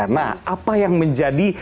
nah apa yang menjadi